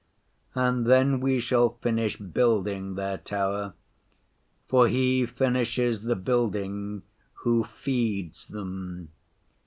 And then we shall finish building their tower, for he finishes the building who feeds them.